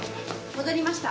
戻りました。